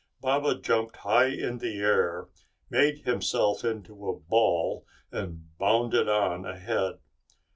Baba jumped high in the air, made himself into a ball and bounded on ahead.